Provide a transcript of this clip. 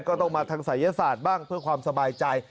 ก็ต้องมาทางศัยศาสตร์บ้างเพื่อความสบายใจ